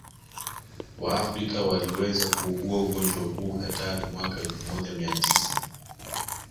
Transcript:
waafrika waliweza kuugua ugonjwa huu hatari mwaka elfu moja mia tisa